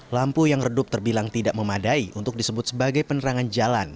lampu yang redup terbilang tidak memadai untuk disebut sebagai penerangan jalan